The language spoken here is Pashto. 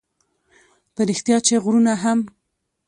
په رښتیا چې غرونه هم